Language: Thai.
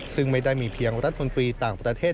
ซึ่งไม่ได้มีเพียงรัฐมนตรีต่างประเทศ